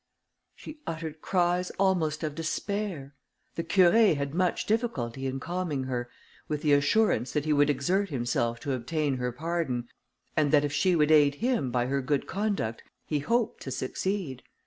She uttered cries almost of despair. The Curé had much difficulty in calming her, with the assurance that he would exert himself to obtain her pardon, and that if she would aid him by her good conduct, he hoped to succeed.